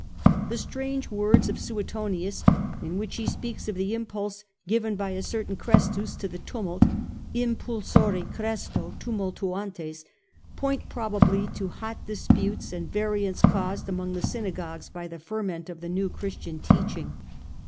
The strange words of Suetonius in which he speaks of the impulse given by a certain Chrestus to the tumult, ' impulsore Chresto tumultuantes,' point probably to the hot disputes and variance caused among the synagogues by the ferment of the new Christian teaching.